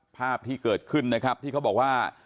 ภาพที่เกิดขึ้นนะครับที่เขาบอกว่า